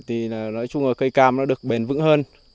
thì nói chung là cây cam nó được bền vững hơn